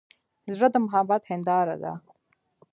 زړه د محبت هنداره ده.